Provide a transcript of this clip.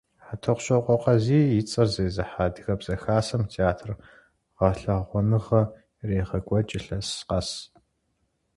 ХьэтӀохъущокъуэ Къазий и цӀэр зезыхьэ Адыгэбзэ хасэм театр гъэлъэгъуэныгъэ ирегъэкӀуэкӀ илъэс къэс.